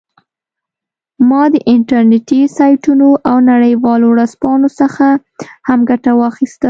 ما د انټرنیټي سایټونو او نړیوالو ورځپاڼو څخه هم ګټه واخیسته